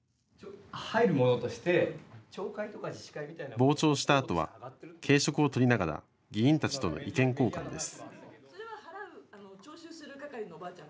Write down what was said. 傍聴したあとは軽食をとりながら議員たちとの意見交換です。